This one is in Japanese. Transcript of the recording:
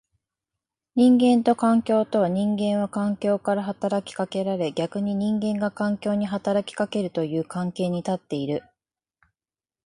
人間と環境とは、人間は環境から働きかけられ逆に人間が環境に働きかけるという関係に立っている。